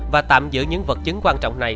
và tạm giữ những vật chứng quan trọng này